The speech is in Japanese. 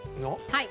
はい。